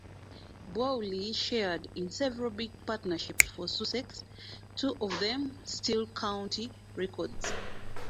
Bowley shared in several big partnerships for Sussex, two of them still county records.